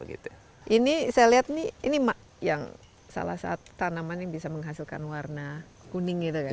ini saya lihat ini salah satu tanaman yang bisa menghasilkan warna kuning gitu kan